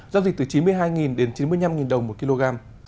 giao dịch từ chín mươi hai đến chín mươi năm đồng một kg